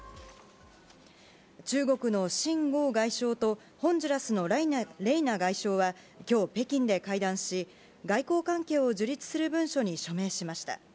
中国の秦剛外相と、ホンジュラスのレイナ外相はきょう、北京で会談し、外交関係を樹立する文書に署名しました。